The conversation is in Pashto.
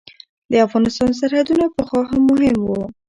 د افغانستان سرحدونه پخوا هم مهم وو.